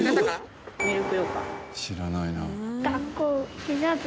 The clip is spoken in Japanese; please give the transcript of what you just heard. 知らないな。